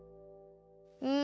うん！